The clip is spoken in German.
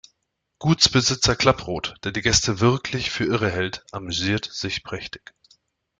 Gutsbesitzer Klapproth, der die Gäste wirklich für Irre hält, amüsiert sich prächtig.